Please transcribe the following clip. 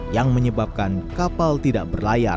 yang menyebabkan kapal tidak berlayar